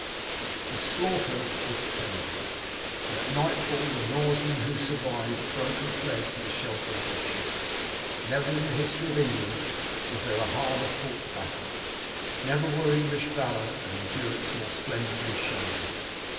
The slaughter was terrible, and at nightfall the Norsemen who survived broke and fled to the shelter of their ships. Never in the history of England was there a harder fought battle; never were English valour and endurance more splendidly shown.